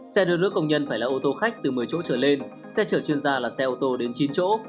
xe đưa nước công nhân phải là ô tô khách từ một mươi chỗ trở lên xe chở chuyên gia là xe ô tô đến chín chỗ